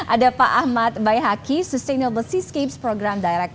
ada pak ahmad bayahaki sustainable seascapes program direkt